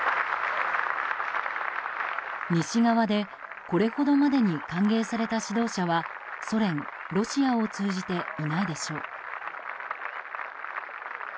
西側で、これほどまでに歓迎された指導者はソ連、ロシアを通じていないでしょう。